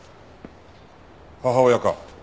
母親か。